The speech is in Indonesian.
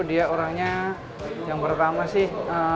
dia orangnya yang pertama sih